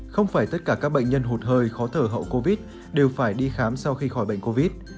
không phải tất cả các bệnh nhân hụt hơi khó thở hậu covid đều phải đi khám sau khi khỏi bệnh covid